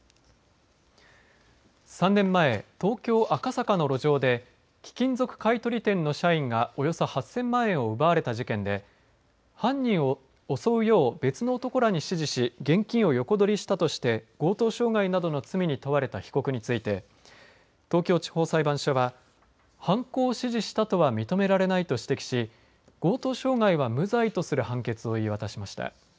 ３年前、東京、赤坂の路上で貴金属買取店の社員がおよそ８０００万円を奪われた事件で犯人を襲うよう別の男らに指示して現金を横取りしたとして強盗傷害などの罪に問われた被告について東京地方裁判所は犯行を指示したとは認められないと指摘し強盗傷害は無罪とする判決を言い渡しました。